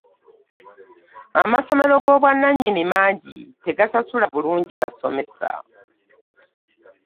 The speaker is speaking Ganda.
Amasomero g'obwannannyini mangi tegasasula bulungi basomesa.